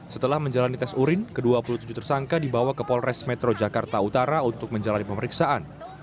setelah menjalani tes urin ke dua puluh tujuh tersangka dibawa ke polres metro jakarta utara untuk menjalani pemeriksaan